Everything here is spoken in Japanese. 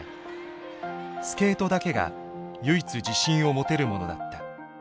スケートだけが唯一自信を持てるものだった。